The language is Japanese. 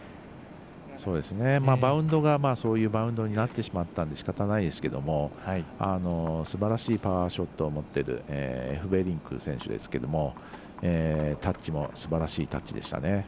バウンドがそういうバウンドになってしまったのでしかたないですけれどもすばらしいパワーショットを持っているエフベリンク選手ですけれどもタッチもすばらしいタッチでした。